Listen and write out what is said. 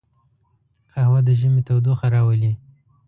قهوه د ژمي تودوخه راولي